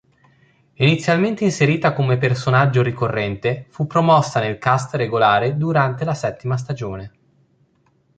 Inizialmente inserita come personaggio ricorrente, fu promossa nel cast regolare durante la settima stagione.